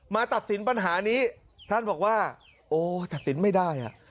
ตัดสินปัญหานี้ท่านบอกว่าโอ้ตัดสินไม่ได้อ่ะ